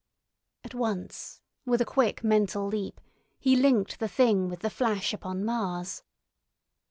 At once, with a quick mental leap, he linked the Thing with the flash upon Mars.